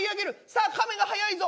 さあカメが速いぞ！